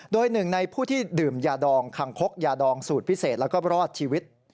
โดยหนึ่งในผู้ที่ดื่มยาดองคังคกยาดองสูตรพิเศษแล้วก็รอดชีวิต